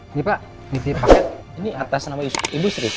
ini pak dititip paket ini atas nama ibu sri